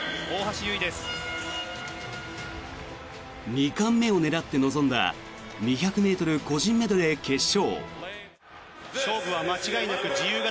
２冠目を狙って臨んだ２００ｍ個人メドレー決勝。